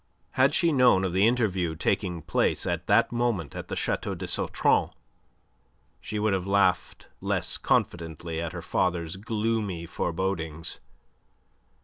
Had she known of the interview taking place at that moment at the Chateau de Sautron she would have laughed less confidently at her father's gloomy forebodings.